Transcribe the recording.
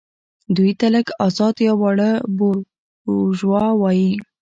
دوی ته لږ ازاد یا واړه بوروژوا وايي.